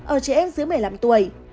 ở trẻ em dưới một mươi năm tuổi